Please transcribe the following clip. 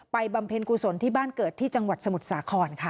บำเพ็ญกุศลที่บ้านเกิดที่จังหวัดสมุทรสาครค่ะ